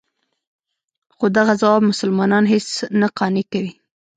خو دغه ځواب مسلمانان هېڅ نه قانع کوي.